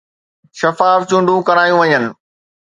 شفاف چونڊون ڪرايون وڃن